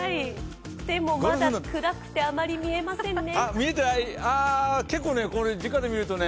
でも、まだ暗くて、あまり見えませんね。